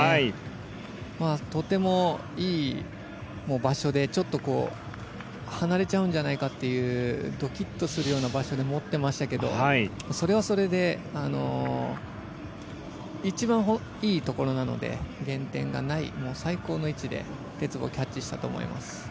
とてもいい場所で離れちゃうんじゃないかというドキッとするような場所で持ってましたけどそれはそれで一番いいところなので減点がない最高の位置で鉄棒をキャッチしたと思います。